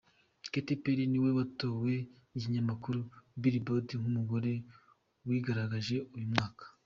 Katy perry niwe watowe n’ikinyamakuru Billboard nk’umugore wigaragaje uyu mwaka.